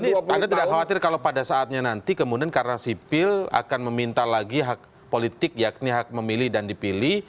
tapi anda tidak khawatir kalau pada saatnya nanti kemudian karena sipil akan meminta lagi hak politik yakni hak memilih dan dipilih